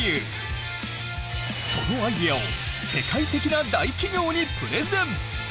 そのアイデアを世界的な大企業にプレゼン。